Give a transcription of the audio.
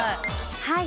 はい。